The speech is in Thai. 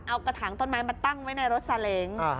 เอากระถางต้นไม้มาตั้งไว้ในรถสาเล้ง